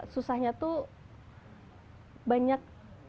susahnya tuh banyak